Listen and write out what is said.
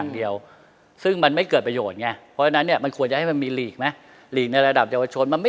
ดึงกันมันเล่นกับคนที่เข้ามา